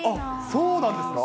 そうなんですか。